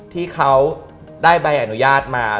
ที่เขาได้ใบอนุญาตมา